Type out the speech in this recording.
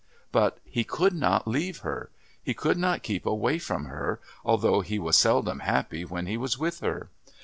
But he could not leave her; he could not keep away from her although he was seldom happy when he was with her.